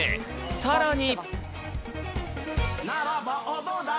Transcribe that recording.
さらに。